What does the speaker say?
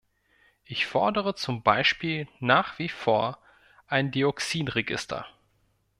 Ich fordere zum Beispiel nach wie vor ein Dioxinregister.